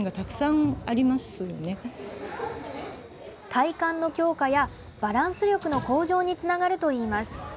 体幹の強化やバランス力の向上につながるといいます。